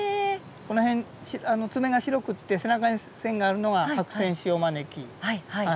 この辺爪が白くて背中に線があるのがはいはい。